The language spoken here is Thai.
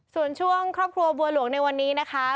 ส่วนช่วงครอบครัวบัวหลวงในวันนี้นะคะ